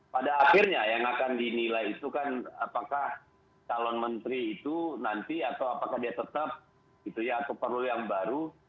pada akhirnya yang akan dinilai itu kan apakah calon menteri itu nanti atau apakah dia tetap gitu ya atau perlu yang baru